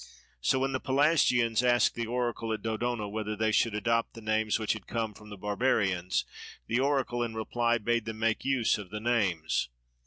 So when the Pelasgians asked the Oracle at Dodona whether they should adopt the names which had come from the Barbarians, the Oracle in reply bade them make use of the names.